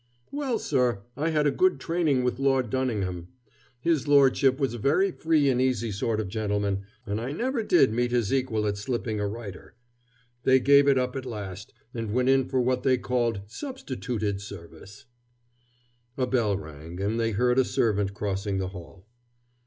"Well, sir, I had a good training with Lord Dunningham. His lordship was a very free and easy sort of gentleman, and I never did meet his equal at slipping a writter. They gave it up at last, and went in for what they call substitooted service." A bell rang, and they heard a servant crossing the hall.